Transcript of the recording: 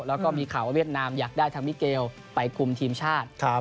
แล้วก็มีข่าวว่าเวียดนามอยากได้ทางมิเกลไปคุมทีมชาติ